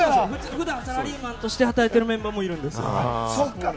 普段、サラリーマンとして働いているメンバーもいるんですよ。